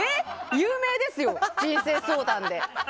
有名ですよ人生相談で。